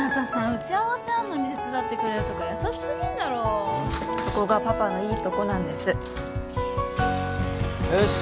打ち合わせあんのに手伝ってくれるとか優しすぎんだろそこがパパのいいとこなんですよし